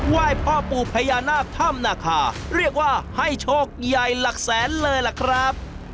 ไหว้พ่อปู่พญานาคถ้ำนาคาเรียกว่าให้โชคใหญ่หลักแสนเลยล่ะครับ